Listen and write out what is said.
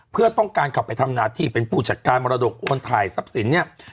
เพื่อต้องการขับไปทำหน้าที่เป็นผู้จัดการมรดกโอนถ่ายทรัพย์สินเนี่ย